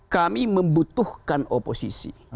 kami membutuhkan oposisi